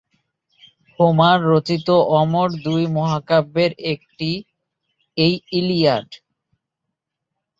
Homer রচিত অমর দুই মহাকাব্যের একটি এই ইলিয়াড।